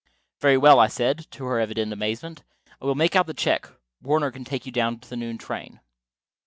"Very well," I said, to her evident amazement. "I will make out the check. Warner can take you down to the noon train."